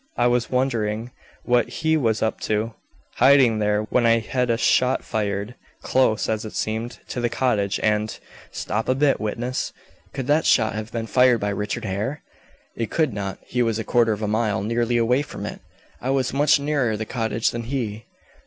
I was wondering what he was up to, hiding there, when I head a shot fired, close, as it seemed, to the cottage, and " "Stop a bit, witness. Could that shot have been fired by Richard Hare?" "It could not. He was a quarter of a mile, nearly, away from it. I was much nearer the cottage than he."